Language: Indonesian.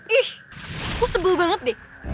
eh aku sebel banget deh